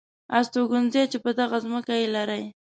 استوګنځي چې په دغه ځمکه یې لرئ .